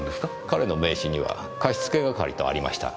彼の名刺には貸付係とありました。